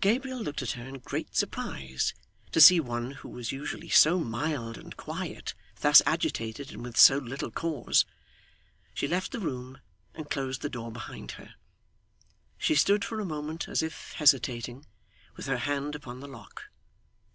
Gabriel looked at her, in great surprise to see one who was usually so mild and quiet thus agitated, and with so little cause. She left the room and closed the door behind her. She stood for a moment as if hesitating, with her hand upon the lock.